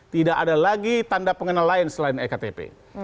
tidak ada lagi tanda pengenal lain selain ektp